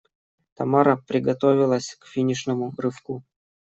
Тамара приготовилась к финишному рывку.